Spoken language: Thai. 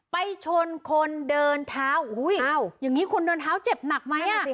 ไปชนคนเดินเท้าอุ้ยอย่างนี้คนเดินเท้าเจ็บหนักไหมอ่ะ